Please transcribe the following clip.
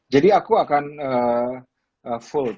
jadi aku akan full